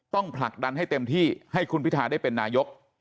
ผลักดันให้เต็มที่ให้คุณพิทาได้เป็นนายก